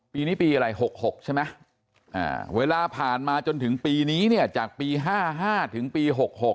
ปีนี้ปีอะไร๖๖ใช่ไหมเวลาผ่านมาจนถึงปีนี้เนี่ยจากปี๕๕ถึงปี๖๖